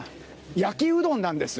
焼きうどんなんです。